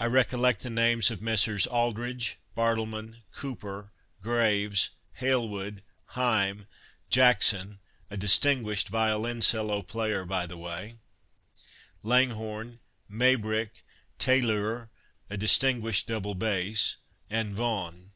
I recollect the names of Messrs. Aldridge, Bartleman, Cooper, Greaves, Halewood, Hime, Jackson (a distinguished violoncello player, by the way), Langhorne, Maybrick, Tayleure (a distinguished double bass), and Vaughan.